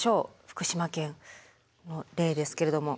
福島県の例ですけれども。